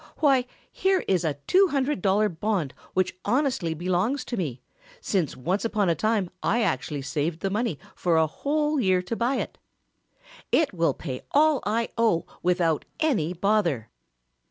"Why here is a two hundred dollar bond which honestly belongs to me, since once upon a time I actually saved the money for a whole year to buy it. It will pay all I owe without any bother."